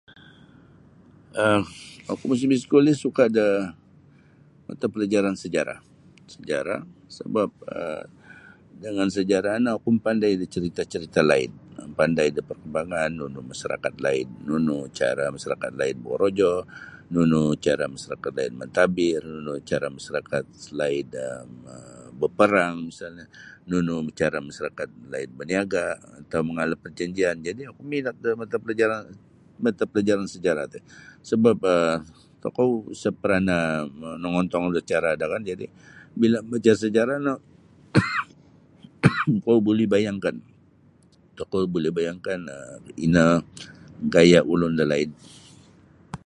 um oku musim biskul ri suka' da matapelajaran sejarah sejarah sabap um dengan sejarah no oku mapandai da carita'-carita' laid mapandai da parkambangan nunu masarakat laid nunu cara masarakat laid bokorojo nunu cara masarakat laid mantadbir nunu cara masarakat laid um baperang misalnyo nunu cara masarakat laid baniaga' atau manggal da parjanjian jadi' oku minat da matapelajaran matapelajarn sejarah ti sabap um tokou isa paranah nongontong da cara do kan jadi' bila bacaan sejarah no tokou buli bayangkan tokou buli bayangkan ino gaya' ulun dalaid.